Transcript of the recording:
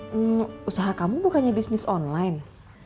hmm usaha kamu bukannya bisnis online